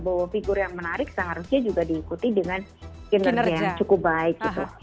bahwa figur yang menarik seharusnya juga diikuti dengan kinerja yang cukup baik gitu